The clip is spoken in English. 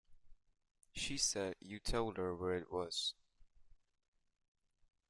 She said you told her where it was.